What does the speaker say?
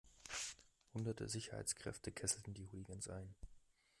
Hunderte Sicherheitskräfte kesselten die Hooligans ein.